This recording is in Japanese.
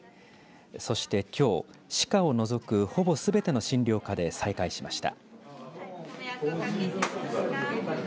そして、きょう歯科を除くほぼすべての診療科で再開しました。